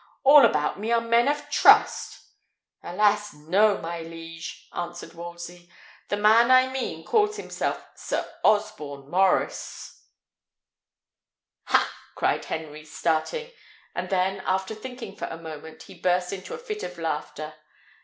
All about me are men of trust." "Alas! no, my liege," answered Wolsey: "the man I mean calls himself Sir Osborne Maurice." "Ha!" cried Henry, starting; and then, after thinking for a moment, he burst into a fit of laughter.